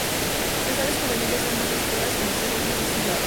Las aves juveniles son más oscuras con los ojos más azulados.